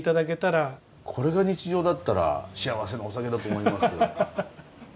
これが日常だったら幸せなお酒だと思います。